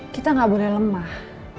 kita nggak boleh lemah